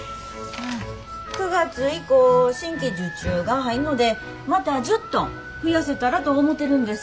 ９月以降新規受注が入んのでまた１０トン増やせたらと思てるんです。